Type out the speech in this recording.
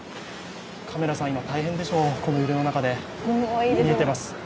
カメラさん、今、大変でしょう、この揺れの中で、見えてます。